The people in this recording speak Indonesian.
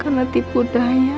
karena tipu daya